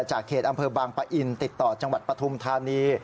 เขตอำเภอบางปะอินติดต่อจังหวัดปฐุมธานี